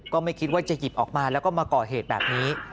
ก็ไม่คิดว่าจะหยิบออกมาแล้วก็มาก่อเหตุแบบนี้